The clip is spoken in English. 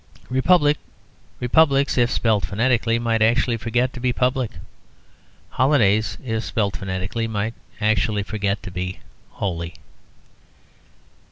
"Republics," if spelt phonetically, might actually forget to be public. "Holidays," if spelt phonetically, might actually forget to be holy.